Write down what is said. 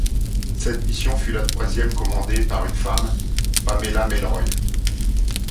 Cette mission fut la troisième commandée par une femme, Pamela Melroy.